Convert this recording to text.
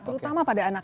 terutama pada anak anak